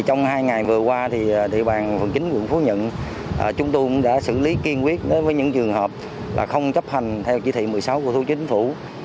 trong hai ngày vừa qua thị bàn phần chính quận phú nhận chúng tôi cũng đã xử lý kiên quyết với những trường hợp không chấp hành theo chỉ thị một mươi sáu của thủ chính phủ